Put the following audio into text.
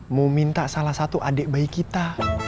mau minta salah satu adik bayi kita